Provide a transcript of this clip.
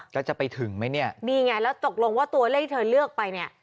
แล้วจะไปถึงไหมเนี่ยนี่ไงแล้วตกลงว่าตัวเลขที่เธอเลือกไปเนี่ย